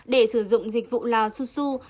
để sử dụng dịch vụ lào xu xu